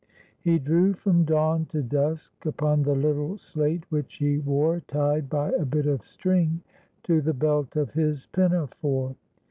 He drew from dawn to dusk upon the little slate which he wore tied by a bit of string to the belt of his pinafore.